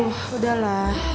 aduh udah lah